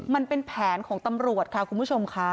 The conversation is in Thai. มันเป็นแผนของตำรวจค่ะคุณผู้ชมค่ะ